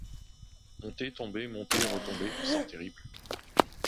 Monter, tomber, monter, retomber ! sort terrible !